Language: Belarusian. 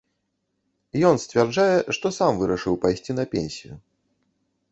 Ён сцвярджае, што сам вырашыў пайсці на пенсію.